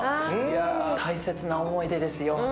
いや大切な思い出ですよ。